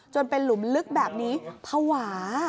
จนเป็นหลุมลึกแบบนี้ภาวะ